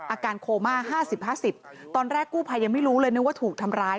อาการโคม่า๕๐๕๐ตอนแรกกู้ภัยยังไม่รู้เลยนึกว่าถูกทำร้าย